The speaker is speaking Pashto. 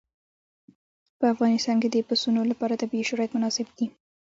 په افغانستان کې د پسونو لپاره طبیعي شرایط مناسب دي.